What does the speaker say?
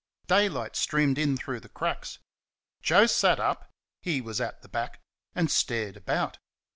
Daylight streamed in through the cracks. Joe sat up he was at the back and stared about.